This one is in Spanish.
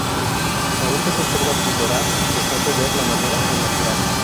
Aún se conserva sin dorar, dejando ver la madera al natural.